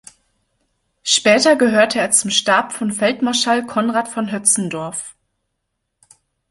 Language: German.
Später gehörte er zum Stab von Feldmarschall Conrad von Hötzendorf.